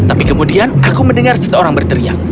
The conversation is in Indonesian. tapi kemudian aku mendengar seseorang berteriak